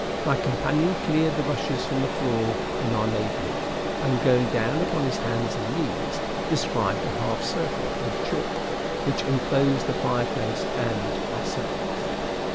My companion cleared the rushes from the floor in our neighborhood, and going down upon his hands and knees, described a half circle with chalk, which inclosed the fireplace and ourselves.